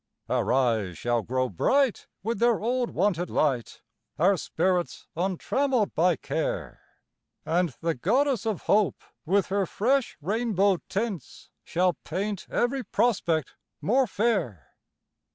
Our eyes shall grow bright with their old wonted light, Our spirits untrammelled by care, And the Goddess of Hope, with her fresh rainbow tints, Shall paint every prospect more fair.